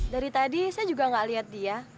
dari tadi saya juga gak lihat dia